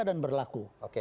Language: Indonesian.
untuk memegang burada